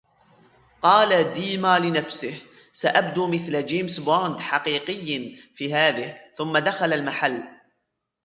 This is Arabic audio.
قال ديما لنفسه: " سأبدو مثل جيمس بوند حقيقي في هذه "، ثم دخل المحل.